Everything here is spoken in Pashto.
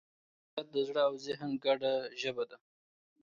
بصیرت د زړه او ذهن ګډه ژبه ده.